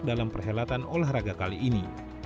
dalam perhelatan olahraga kali ini